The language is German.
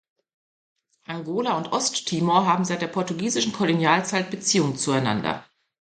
Angola und Osttimor haben seit der portugiesischen Kolonialzeit Beziehungen zueinander.